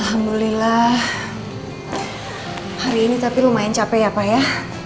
alhamdulillah hari ini tapi lumayan capek ya pak ya